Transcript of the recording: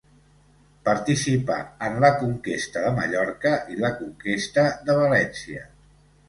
Participà en la Conquesta de Mallorca i la Conquesta de València.